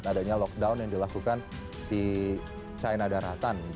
adanya lockdown yang dilakukan di china daratan